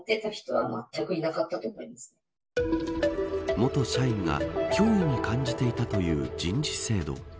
元社員が脅威に感じていたという人事制度。